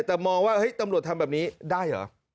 แต่มองว่าเฮ้ยตำรวจทำแบบนี้ได้เหรอ